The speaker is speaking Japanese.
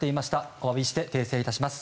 お詫びして訂正いたします。